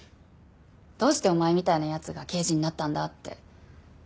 「どうしてお前みたいな奴が刑事になったんだ」って。